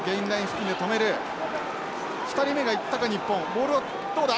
ボールはどうだ？